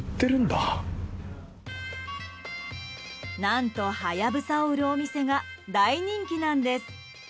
何とハヤブサを売るお店が大人気なんです。